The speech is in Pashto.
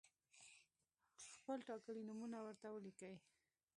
خپل ټاکلي نومونه ورته ولیکئ.